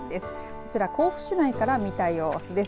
こちら甲府市内から見た様子です。